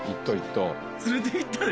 連れていったよ。